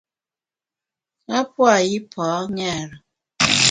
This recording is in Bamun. A pua’ yipa ṅêre.